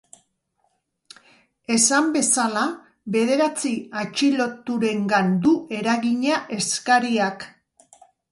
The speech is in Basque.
Esan bezala, bederatzi atxiloturengan du eragina eskariak.